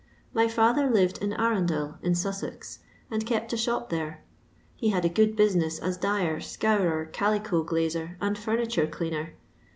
My fiither lived at Arundel, in Sussex, and kept a shop there. He had a good bosineM as dyer, scourer, calico gbier, and friraitnre deaner.